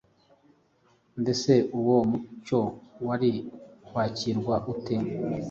mbese uwo mucyo wari kwakirwa ute?